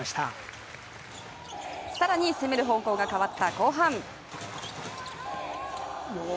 更に、攻める方向が変わった後半。